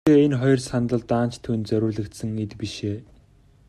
Гэхдээ энэ хоёр сандал даанч түүнд зориулагдсан эд биш ээ.